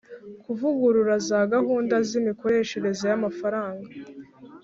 Kuvugurura za gahunda z imikoreshereze y amafaranga